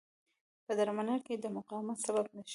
په درملنه کې د مقاومت سبب نه شي.